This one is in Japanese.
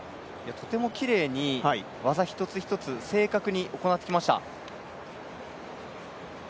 とてもきれいに技一つ一つ正確に行ってきました。